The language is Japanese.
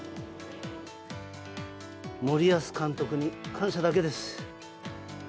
森保監督に感謝だけです。